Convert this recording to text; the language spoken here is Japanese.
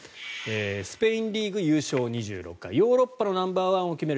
スペインリーグ優勝２６回ヨーロッパのナンバーワンを決める